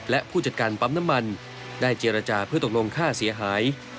และผู้จัดการปั๊มน้ำมันได้เจรจาเพื่อตกลงค่าเสียหาย